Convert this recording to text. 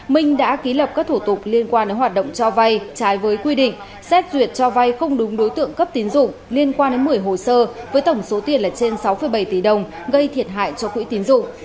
minh đã ký lập các thủ tục liên quan đến hoạt động cho vay trái với quy định xét duyệt cho vay không đúng đối tượng cấp tín dụng liên quan đến một mươi hồ sơ với tổng số tiền là trên sáu bảy tỷ đồng gây thiệt hại cho quỹ tín dụng